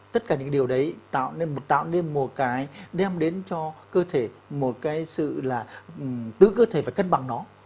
tất cả những điều đấy tạo nên một cái đem đến cho cơ thể một cái sự là tự cơ thể phải cân bằng nó